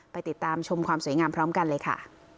ติดตามชมความสวยงามพร้อมกันเลยค่ะ